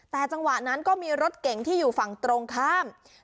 แต่จังหวะนั้นก็มีรถเก๋งที่อยู่ฝั่งตรงข้าม